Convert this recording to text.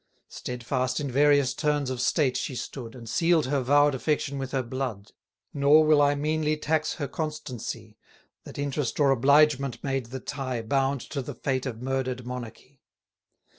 Steadfast in various turns of state she stood, And seal'd her vow'd affection with her blood: Nor will I meanly tax her constancy, That interest or obligement made the tie Bound to the fate of murder'd monarchy.